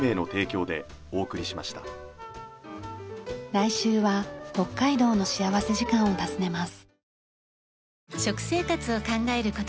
来週は北海道の幸福時間を訪ねます。